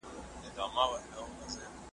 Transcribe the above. زور لري چي ځان کبابولای سي ,